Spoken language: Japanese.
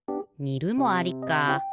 「にる」もありか。